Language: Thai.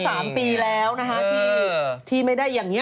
๕๗๘๙ก็๓ปีแล้วนะฮะที่ไม่ได้อย่างนี้